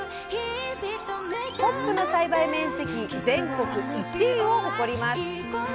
ホップの栽培面積全国１位を誇ります。